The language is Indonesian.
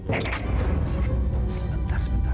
neng neng neng sebentar sebentar